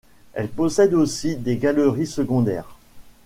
Elle possède aussi des galeries secondaires.